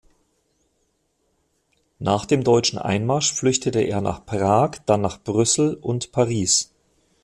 Nach dem deutschen Einmarsch flüchtete er nach Prag, dann nach Brüssel und Paris.